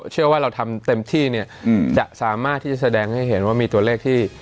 เชื่อว่าเราทำเต็มที่เนี่ยจะสามารถที่จะแสดงให้เห็นว่ามีตัวเลขที่